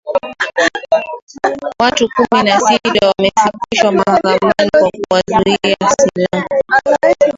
Watu kumi na sita wamefikishwa mahakamani kwa kuwauzia silaha